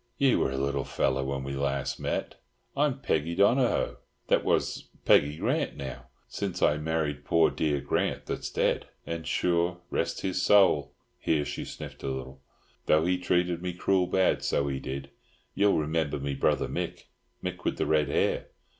Ye were a little felly when we last met. I'm Peggy Donohoe that was—Peggy Grant now, since I married poor dear Grant that's dead. And, sure, rest his sowl!"—here she sniffed a little—"though he treated me cruel bad, so he did! Ye'll remember me brother Mick—Mick with the red hair?"